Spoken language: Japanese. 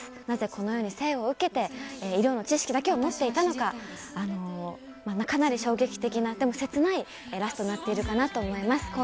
なぜ、このように生を受けて医療の知識だけを持っていたのかかなり衝撃的な切ないラストになっているかと思います。